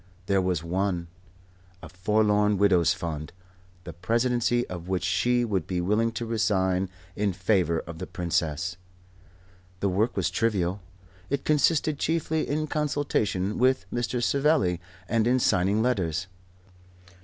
There was one, a Forlorn Widows' Fund, the presidency of which she would be willing to resign in favour of the Princess. The work was trivial: it consisted chiefly in consultation with Mr. Savelli and in signing letters.